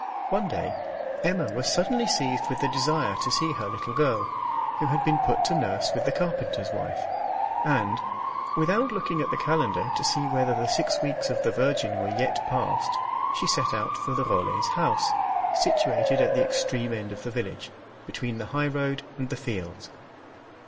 One day Emma was suddenly seized with the desire to see her little girl, who had been put to nurse with the carpenter's wife, and, without looking at the calendar to see whether the six weeks of the Virgin were yet passed, she set out for the Rollets' house, situated at the extreme end of the village, between the highroad and the fields.